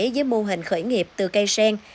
với mô hình khởi nghiệp từ cây sen